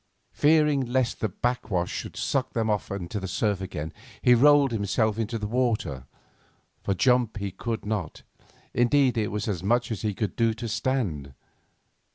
Fearing lest the back wash should suck them off into the surf again, he rolled himself into the water, for jump he could not; indeed, it was as much as he could do to stand.